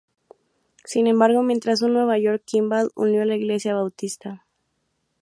Sin embargo, mientras en Nueva York, Kimball unió la Iglesia Bautista.